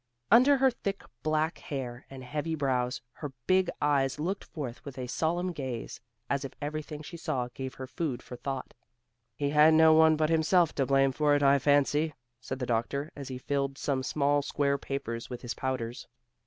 Under her thick black hair and heavy brows, her big eyes looked forth with a solemn gaze, as if everything she saw gave her food for thought. "He had no one but himself to blame for it, I fancy," said the doctor, as he filled some small square papers with his powders.